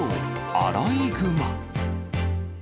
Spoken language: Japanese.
アライグマ。